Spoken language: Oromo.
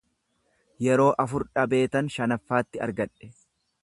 Yeroo afur dhabeetan shanaffaatti argadhee